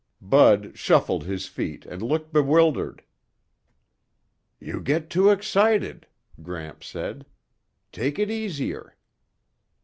Bud shuffled his feet and looked bewildered. "You get too excited," Gramps said. "Take it easier."